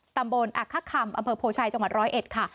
ตำบลอักขะคำอำเภอโพชัยจังหวัด๑๐๑ค่ะ